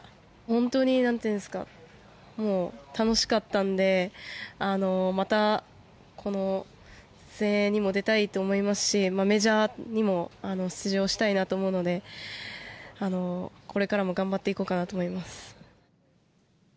本当に、なんというんですか楽しかったのでまた、この全英にも出たいと思いますしメジャーにも出場したいなと思うのでこれからも頑張っていこうかなと思います。